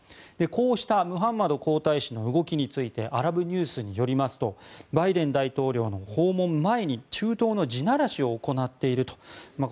こうしたムハンマド皇太子の動きについてアラブニュースによりますとバイデン大統領の訪問前に中東の地ならしを行っていると。